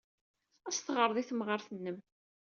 Ad as-teɣred i temɣart-nnem.